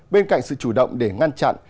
bên cạnh sự chủ động để ngăn chặn